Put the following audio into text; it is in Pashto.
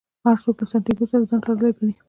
هر څوک له سانتیاګو سره ځان تړلی ګڼي.